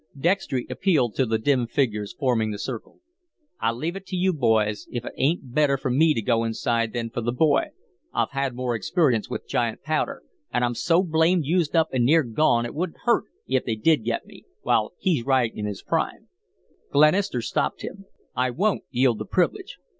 Dextry appealed to the dim figures forming the circle. "I leave it to you, gents, if it ain't better for me to go inside than for the boy. I've had more experience with giant powder, an' I'm so blamed used up an' near gone it wouldn't hurt if they did get me, while he's right in his prime " Glenister stopped him. "I won't yield the privilege.